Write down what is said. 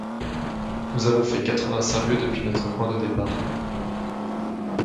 nous avons fait quatre-vingt-cinq lieues depuis notre point de départ.